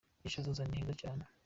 Ejo hazaza niheza cyane.